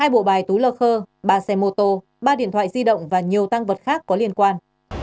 hai bộ bài túi lơ khơ ba xe mô tô ba điện thoại di động và nhiều tăng vật khác có liên quan